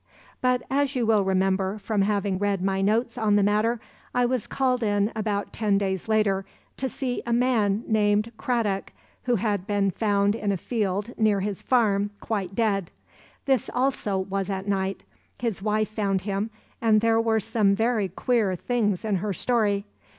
"But as you will remember, from having read my notes on the matter, I was called in about ten days later to see a man named Cradock, who had been found in a field near his farm quite dead. This also was at night. His wife found him, and there were some very queer things in her story.